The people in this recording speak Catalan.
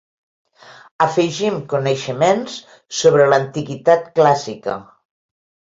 Afegim coneixements sobre l'antiguitat clàssica.